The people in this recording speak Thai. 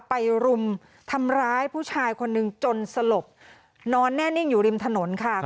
รุมทำร้ายผู้ชายคนหนึ่งจนสลบนอนแน่นิ่งอยู่ริมถนนค่ะ